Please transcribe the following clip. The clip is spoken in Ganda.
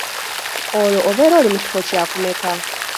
Olwo obeera oli mu kifo kyakumeka?